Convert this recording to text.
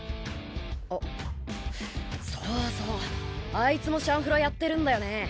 あっそうそうあいつも「シャンフロ」やってるんだよね。